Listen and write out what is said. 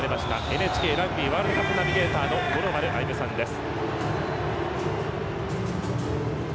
ＮＨＫラグビーワールドカップナビゲーターの五郎丸歩さんです。